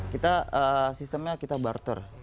kita sistemnya kita barter